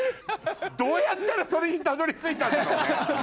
どうやったらそれにたどり着いたんだろうね。